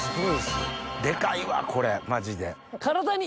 デカいわこれマジで。